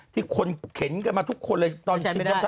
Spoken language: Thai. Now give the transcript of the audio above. ที่คนเข็นกันมาทุกคนเลยตอนชิมช็อปใช้